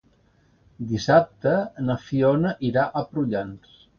Dissabte na Fiona irà a Prullans.